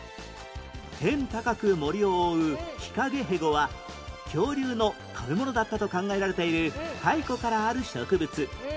天高く森を覆うヒカゲヘゴは恐竜の食べ物だったと考えられている太古からある植物